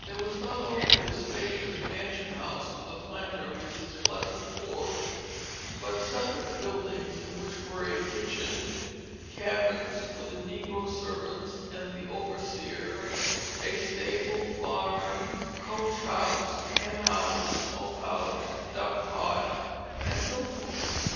There was not only the spacious mansion house for the planter with its pleasant porch, but separate buildings in which were a kitchen, cabins for the negro servants and the overseer, a stable, barn, coach house, hen house, smoke house, dove cote, and milk room.